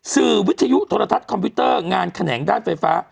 วิทยุโทรทัศน์คอมพิวเตอร์งานแขนงด้านไฟฟ้า